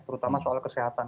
terutama soal kesehatan